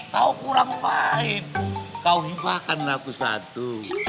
kau kurang baik kau impah kan aku satu